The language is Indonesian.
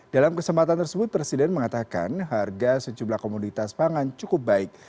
dalam kesempatan tersebut presiden mengatakan harga sejumlah komoditas pangan cukup baik